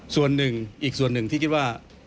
ส่วนหนึ่งอีกส่วนหนึ่งที่คิดว่า